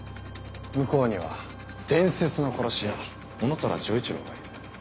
向こうには伝説の殺し屋男虎丈一郎がいる。